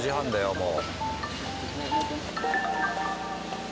もう。